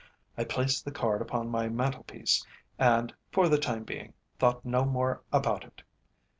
I placed the card upon my mantel piece, and, for the time being, thought no more about it.